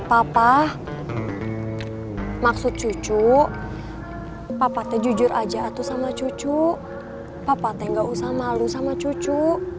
papa tak usah malu sama cucu